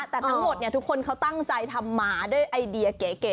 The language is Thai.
แต่ทั้งหมดทุกคนเขาตั้งใจทำหมาด้วยไอเดียเก๋